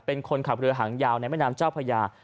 เป็นคนขับเรือหางยาวในแม่น้ำเจ้าพญา